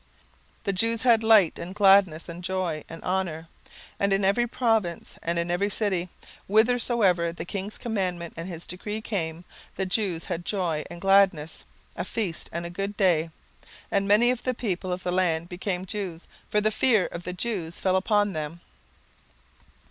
17:008:016 The Jews had light, and gladness, and joy, and honour. 17:008:017 And in every province, and in every city, whithersoever the king's commandment and his decree came, the Jews had joy and gladness, a feast and a good day. And many of the people of the land became Jews; for the fear of the Jews fell upon them.